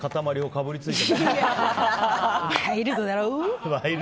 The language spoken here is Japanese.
ワイルドだろ？